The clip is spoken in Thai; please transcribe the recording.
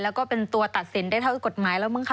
แล้วก็เป็นตัวตัดสินได้เท่ากฎหมายแล้วมั้งคะ